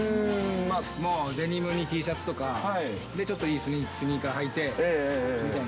もうデニムにＴシャツとか、ちょっといいスニーカーはいて、みたいな。